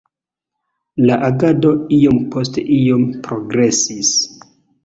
La agado iom post iom progresis.